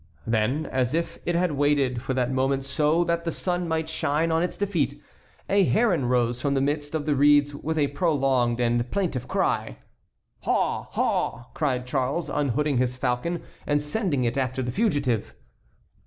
Then, as if it had waited for that moment so that the sun might shine on its defeat, a heron rose from the midst of the reeds with a prolonged and plaintiff cry. "Haw! Haw!" cried Charles, unhooding his falcon and sending it after the fugitive.